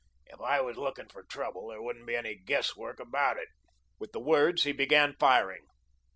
"If I was looking for trouble there wouldn't be any guess work about it." With the words he began firing.